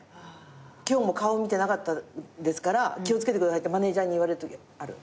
「今日も顔見てなかったですから気を付けてください」ってマネジャーに言われるときある。